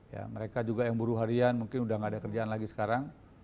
ya mereka juga yang buruh harian mungkin udah gak ada kerjaan lagi sekarang